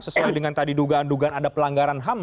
sesuai dengan tadi dugaan dugaan ada pelanggaran ham